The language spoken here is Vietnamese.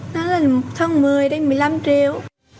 nó là một thân mười đây một mươi năm triệu